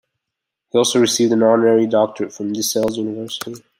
He has also received an honorary doctorate from DeSales University.